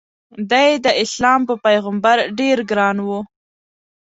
د ی داسلام په پیغمبر ډېر ګران و.